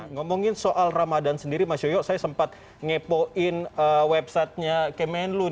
ngomongin soal ramadan sendiri mas yoyo saya sempat ngepoin websitenya kemenlu